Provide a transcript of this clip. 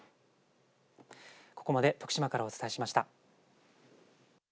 ここまで徳島からお伝えしました。